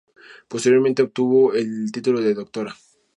Posteriormente, obtuvo el título de Dra.